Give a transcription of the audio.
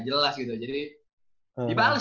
jelas gitu jadi dibales